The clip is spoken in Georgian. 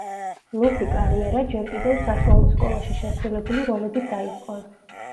მისი კარიერა ჯერ კიდევ საშუალო სკოლაში შესრულებული როლებით დაიწყო.